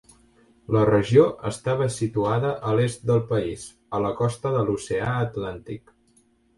La regió estava situada a l'est del país, a la costa de l'oceà Atlàntic.